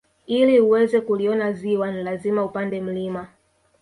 Ili uweze kuliona ziwa ni lazima upande mlima